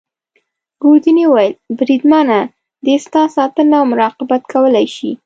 ګوردیني وویل: بریدمنه دی ستا ساتنه او مراقبت کولای شي.